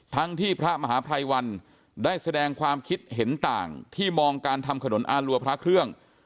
ทั้งที่พระมหาภัยวันได้แสดงความคิดเห็นต่างที่มองการทำขนมอารัวพระเครื่อง